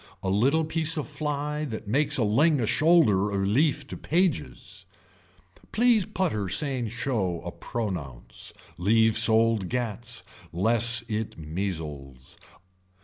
A little piece of fly that makes a ling a shoulder a relief to pages. Please putter sane show a pronounce, leave sold gats, less it measles.